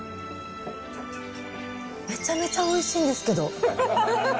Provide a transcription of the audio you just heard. めちゃめちゃおいしいんですけど。